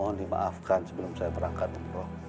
mohon dimaafkan sebelum saya berangkat umroh